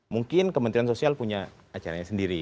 mungkin kementerian sosial punya acaranya sendiri